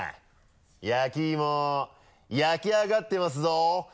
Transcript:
焼き芋焼き上がってますぞ！